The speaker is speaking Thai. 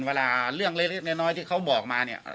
เวลาเรื่องเล็กน้อยที่เขาบอกมาเนี่ย